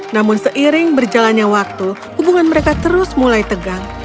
namun seiring berjalannya waktu hubungan mereka terus mulai tegang